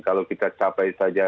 kalau kita capai saja